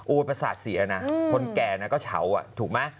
โอวนประสาทเสียนะคนแก่ก็เฉาอะถูกมั้ย